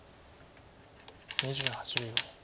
２８秒。